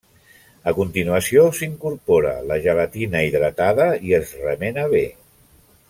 A continuació s’incorpora la gelatina hidratada i es remena bé.